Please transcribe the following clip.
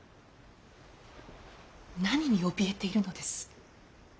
何におびえているのです。